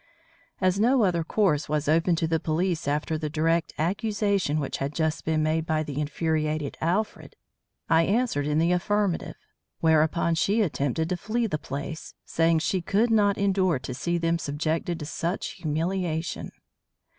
As no other course was open to the police after the direct accusation which had just been made by the infuriated Alfred, I answered in the affirmative; whereupon she attempted to flee the place, saying she could not endure to see them subjected to such humiliation.